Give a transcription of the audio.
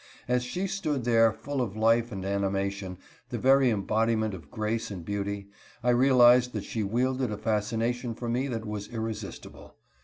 As she stood there, full of life and animation, the very embodiment of grace and beauty, I realized that she wielded a fascination for me that was irresistible.